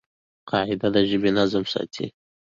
قاعده د ژبي نظم ساتي.